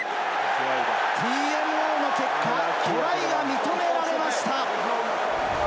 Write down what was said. ＴＭＯの結果は、トライが認められました。